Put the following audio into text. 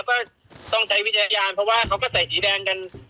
เพราะว่าเขาก็ใส่สีแดงกัน